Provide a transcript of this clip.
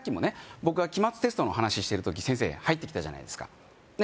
僕が期末テストの話してる時先生入ってきたじゃないですかね